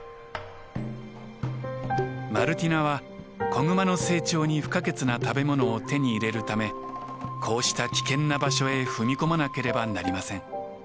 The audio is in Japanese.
マルティナは子グマの成長に不可欠な食べ物を手に入れるためこうした危険な場所へ踏み込まなければなりません。